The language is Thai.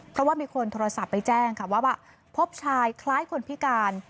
เพราะว่ามีคนโทรศัพท์ไปแจ้งค่ะว่าพบชายคล้ายคนพิการ